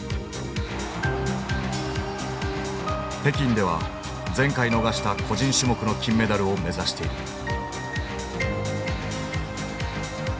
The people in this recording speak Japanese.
北京では前回逃した個人種目の金メダルを目指している。